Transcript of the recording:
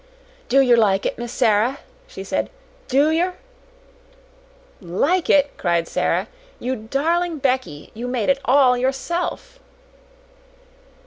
"Do yer like it, Miss Sara?" she said. "Do yer?" "Like it?" cried Sara. "You darling Becky, you made it all yourself."